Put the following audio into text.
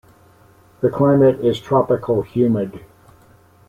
The climate is tropical humid.